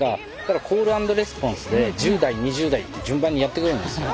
コール＆レスポンスで１０代２０代って順番にやってくれるんですよ。